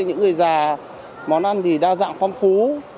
những người già món ăn thì đa dạng phong phú